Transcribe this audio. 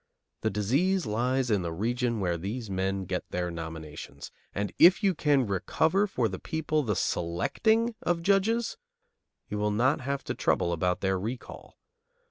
The disease lies in the region where these men get their nominations; and if you can recover for the people the selecting of judges, you will not have to trouble about their recall.